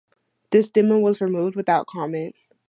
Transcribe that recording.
This demo was removed without comment.